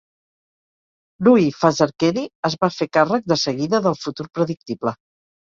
Loui Fazakerley es va fer càrrec de seguida del "futur predictible".